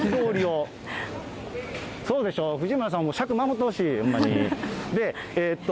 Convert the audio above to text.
御条町通を、藤村さん、尺守ってほしい、ほんまに。